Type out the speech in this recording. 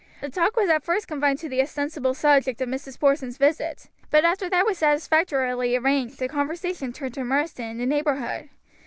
The talk was at first confined to the ostensible subject of Mrs. Porson's visit; but after that was satisfactorily arranged the conversation turned to Marsden and the neighborhood.